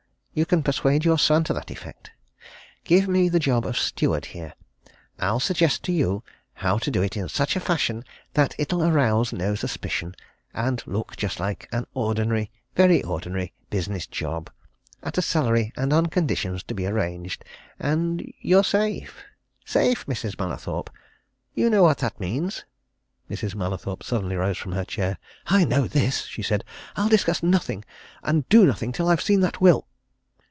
You can persuade your son to that effect. Give me the job of steward here. I'll suggest to you how to do it in such a fashion that it'll arouse no suspicion, and look just like an ordinary very ordinary business job at a salary and on conditions to be arranged, and you're safe! Safe, Mrs. Mallathorpe you know what that means!" Mrs. Mallathorpe suddenly rose from her chair. "I know this!" she said. "I'll discuss nothing, and do nothing, till I've seen that will!"